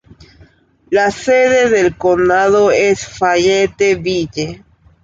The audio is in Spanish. La sede del condado es Fayetteville.